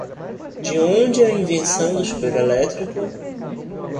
De onde é a invenção do chuveiro elétrico?